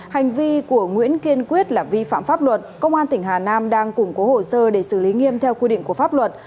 hành vi của nguyễn kiên quyết là vi phạm pháp luật công an tỉnh hà nam đang củng cố hồ sơ để xử lý nghiêm theo quy định của pháp luật